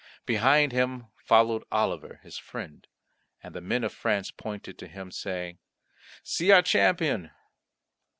Behind him followed Oliver, his friend; and the men of France pointed to him, saying, "See our champion!"